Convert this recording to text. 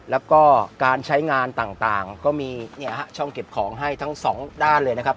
แล้วก็การใช้งานต่างก็มีช่องเก็บของให้ทั้งสองด้านเลยนะครับ